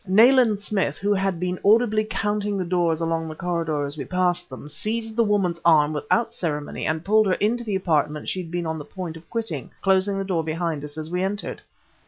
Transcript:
Nayland Smith, who had been audibly counting the doors along the corridor as we passed them, seized the woman's arm without ceremony, and pulled her into the apartment she had been on the point of quitting, closing the door behind us as we entered.